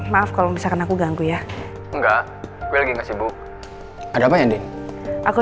mungkin aja dia bisa bantu